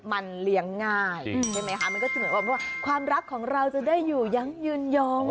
มันเหรียญง่ายใช่ไหมคะความรักของเราจะได้อยู่อย่างยืนยอง